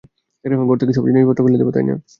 ঘর থেকে সব জিনিসপত্র ফেলে দিব?